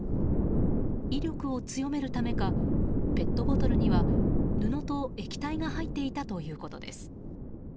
威力を強めるためかペットボトルには布と液体が入っていたということです。